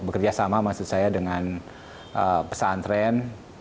bekerjasama maksud saya dengan pesantren